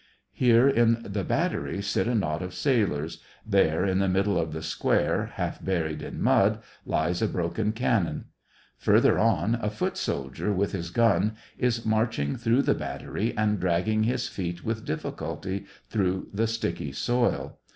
Here in the battery sit a knot of sailors ; there in the middle of the square, half buried in mud, lies a broken cannon ; further on, a foot soldier, with his gun, is marching through the battery, and dragging his feet with difficulty through the sticky soil.